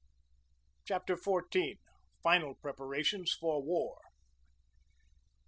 CHAPTER XIV FINAL PREPARATIONS FOR WAR MR.